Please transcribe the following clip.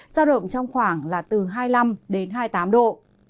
ra động trong khoảng hai mươi năm hai mươi tám độ